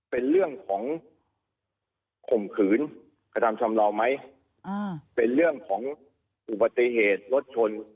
เป็นเรื่องของข่มขืนกระทำชำราวไหมเป็นเรื่องของอุบัติเหตุรถชน